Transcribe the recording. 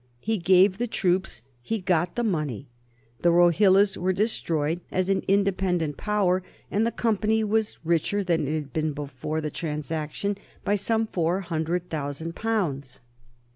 He gave the troops, he got the money. The Rohillas were destroyed as an independent power, and the Company was richer than it had been before the transaction by some four hundred thousand pounds.